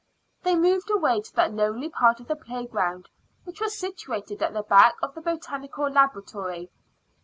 They moved away to that lonely part of the playground which was situated at the back of the Botanical Laboratory.